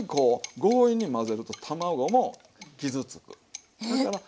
強引に混ぜると卵も傷つく。